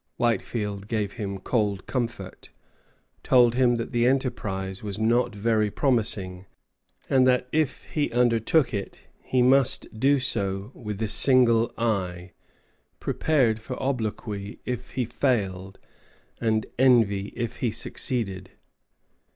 Whitefield gave him cold comfort, told him that the enterprise was not very promising, and that if he undertook it, he must do so "with a single eye," prepared for obloquy if he failed, and envy if he succeeded.